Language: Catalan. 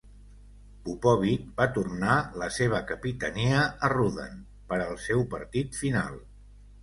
Popovic va tornar la seva capitania a Rudan per al seu partit final.